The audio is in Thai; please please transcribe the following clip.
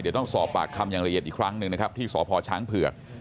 เดี๋ยวต้องสอบปากคำอย่างละเอียดอีกครั้งหนึ่งนะครับที่สพช้างเผือก